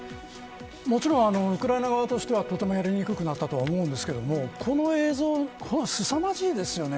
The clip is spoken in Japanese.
もちろんウクライナ側としてはやりにくくなったとは思いますがこの映像はすさまじいですよね。